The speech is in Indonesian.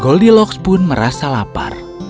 goldilocks pun merasa lapar